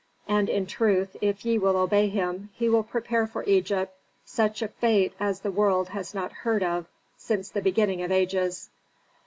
And in truth, if ye will obey him, he will prepare for Egypt such a fate as the world has not heard of since the beginning of ages."